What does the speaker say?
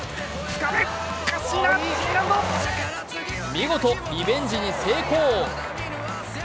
見事リベンジに成功。